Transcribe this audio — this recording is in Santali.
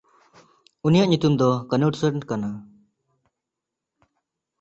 ᱩᱱᱤᱭᱟᱜ ᱧᱩᱛᱩᱢ ᱫᱚ ᱠᱟᱱᱩᱴᱥᱚᱱ ᱠᱟᱱᱟ᱾